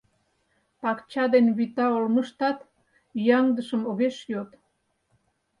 Пакча ден вӱта олмыштат ӱяҥдышым огеш йод.